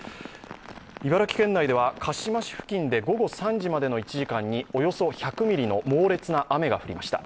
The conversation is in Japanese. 茨城県内では鹿嶋市付近で午後３時までの１時間におよそ１００ミリの猛烈な雨が降りました。